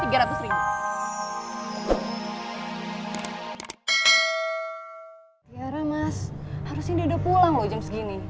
kira mas harusnya dia udah pulang loh jam segini